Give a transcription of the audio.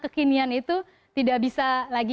kekinian itu tidak bisa lagi